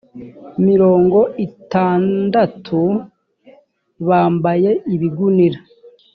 mirongo itandatu bambaye ibigunira